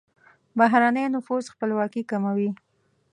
بهرنی نفوذ خپلواکي کموي.